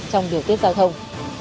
trong điều kiếp giao thông